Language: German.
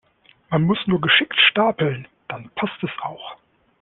Man muss nur geschickt Stapeln, dann passt es auch.